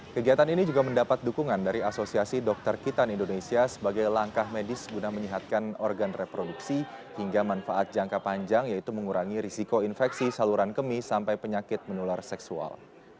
kegiatan ini juga mendapat dukungan dari asosiasi dokter kitan indonesia sebagai langkah medis guna menyehatkan organ reproduksi hingga manfaat jangka panjang yaitu mengurangi risiko infeksi saluran kemis sampai penyakit menular seksual